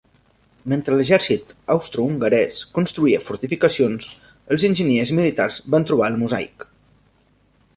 Mentre l'exèrcit austrohongarès construïa fortificacions, els enginyers militars van trobar el mosaic.